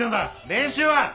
練習は！？